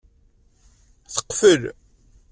Teqfel.